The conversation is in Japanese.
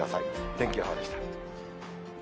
天気予報でした。